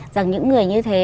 rằng những người như thế